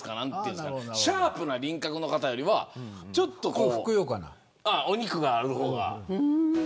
シャープな輪郭の方よりはお肉がある方がいい。